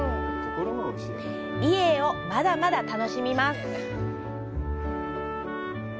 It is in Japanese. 美瑛を、まだまだ楽しみます。